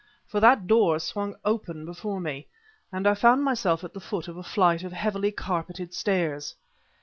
For that door swung open before me, and I found myself at the foot of a flight of heavily carpeted stairs.